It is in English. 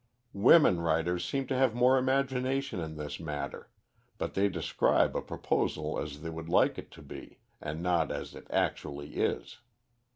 Women writers seem to have more imagination in this matter, but they describe a proposal as they would like it to be, and not as it actually is.